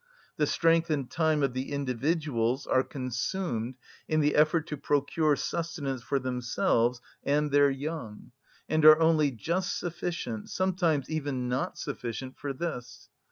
The strength and time of the individuals are consumed in the effort to procure sustenance for themselves and their young, and are only just sufficient, sometimes even not sufficient, for this.